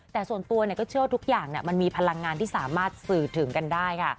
แต่ส่วนตัวก็เชื่อว่าทุกอย่างมันมีพลังงานที่สามารถสื่อถึงกันได้ค่ะ